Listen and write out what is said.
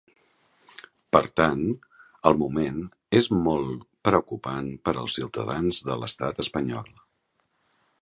Per tant, el moment és molt preocupant per als ciutadans de l’estat espanyol.